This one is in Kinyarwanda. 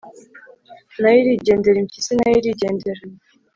nayo irigendera. impyisi na yo irigendera